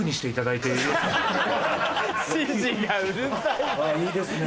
いいですね。